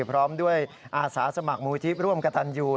พร้อมด้วยอาสาสมัครมูลที่ร่วมกระตันยู